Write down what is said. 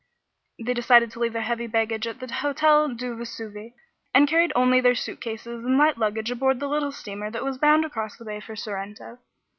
They decided to leave their heavy baggage at the Hotel du Vesuve, and carried only their suit cases and light luggage aboard the little steamer that was bound across the bay for Sorrento.